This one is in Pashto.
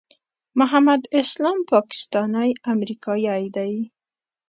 محمد اسلام پاکستانی امریکایی دی.